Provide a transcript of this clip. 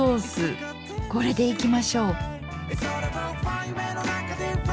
これでいきましょう。